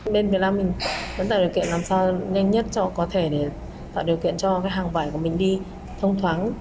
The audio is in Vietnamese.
bên việt nam mình vẫn tạo điều kiện làm sao nhanh nhất cho có thể để tạo điều kiện cho hàng vải của mình đi thông thoáng